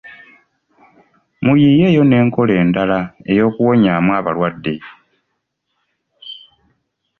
Muyiiyeeyo n’enkola endala ey'okuwonyaamu abalwadde.